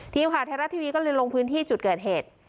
ที่อุตผ่าแท้รัฐทีวีท์ก็เลยลงพื้นที่จุดเกิดเหตุ